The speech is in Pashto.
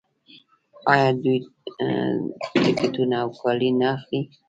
آیا دوی ټکټونه او کالي نه اخلي؟